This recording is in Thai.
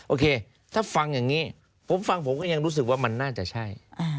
โอเคถ้าฟังอย่างนี้ผมฟังผมก็ยังรู้สึกว่ามันน่าจะใช่